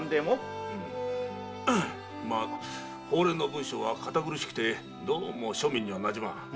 まあ法令の文章は堅苦しくてどうも庶民にはなじまん。